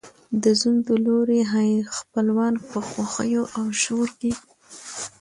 د زوم د لوري خپلوان په خوښیو او شور کې